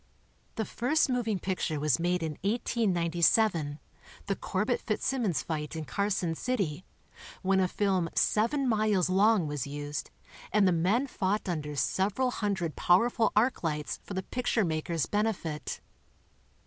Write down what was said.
The first moving picture was made in 1897 — the Corbett Fitz simmons fight in Carson City — when a film seven miles long was used and the men fought under several hundred powerful arc lights for the picture maker's benefit.